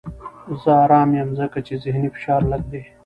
زه ارام یم ځکه چې ذهني فشار لږ دی.